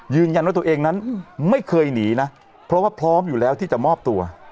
ยืนยันว่าตัวเองนั้นไม่เคยหนีนะเพราะว่าพร้อมอยู่แล้วที่จะมอบตัว